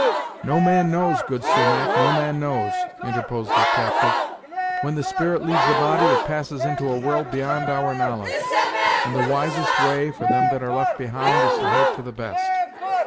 "No man knows, good Sumach, no man knows," interposed the captive. "When the spirit leaves the body, it passes into a world beyond our knowledge, and the wisest way, for them that are left behind, is to hope for the best.